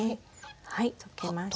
はい溶けましたね。